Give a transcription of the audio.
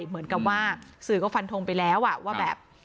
เหมือนกับว่าสื่อก็ฟันทงไปแล้วว่าแบบ